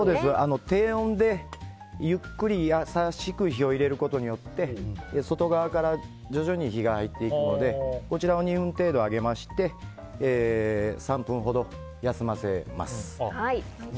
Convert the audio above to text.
低温でゆっくり優しく火を入れることによって外側から徐々に火が入っていくのでこちらを２分程度揚げまして３分ほど休ませます。